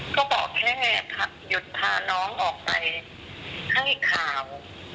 ก็บอกแค่ไงหยุดพาน้องออกไปให้ข่าว